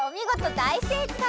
だいせいかい！